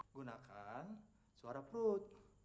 gunakan suara perut